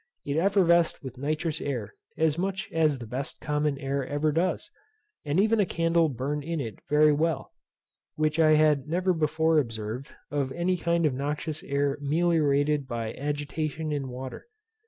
It effervesced with nitrous air as much as the best common air ever does; and even a candle burned in it very well, which I had never before observed of any kind of noxious air meliorated by agitation in water.